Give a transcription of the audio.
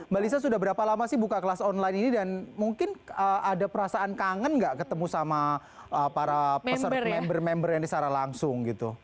mbak lisa sudah berapa lama sih buka kelas online ini dan mungkin ada perasaan kangen gak ketemu sama para peserta member member yang disara langsung gitu